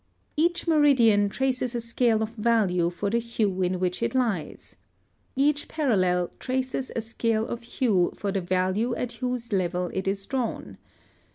(121) Each meridian traces a scale of value for the hue in which it lies. Each parallel traces a scale of hue for the value at whose level it is drawn.